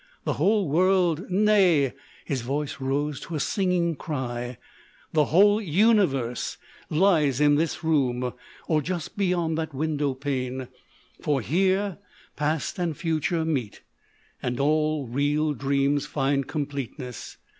The whole world, nay " â his voice rose to a singing cry â "the whole universe lies in this room, or just beyond that window pane ; for here past and future meet and all real dreams find completeness.